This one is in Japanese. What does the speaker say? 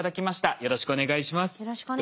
よろしくお願いします。